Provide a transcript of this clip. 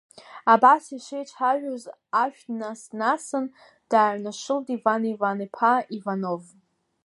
Абас ишеицәажәоз, ашә днас-насын дааҩнашылт Иван Иван-иԥа Иванов.